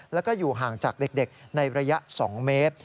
แล้วก็อยู่ห่างจากเด็กในระยะ๒เมตร